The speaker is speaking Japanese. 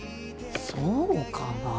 そうかなぁ。